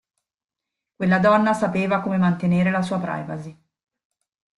Quella donna sapeva come mantenere la sua privacy.